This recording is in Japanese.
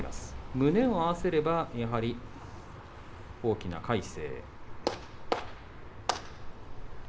胸を合わせればやはり大きな魁聖です。